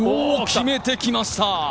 決めてきました！